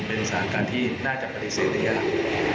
เป็นสถานการณ์ที่น่าจะปฏิเสธได้ยาก